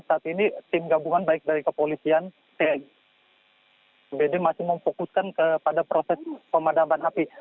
saat ini tim gabungan baik dari kepolisian tgbd masih memfokuskan kepada proses pemadaman api